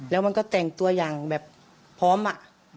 แล้วมันก็แต่งตัวอย่างแบบพร้อมอะ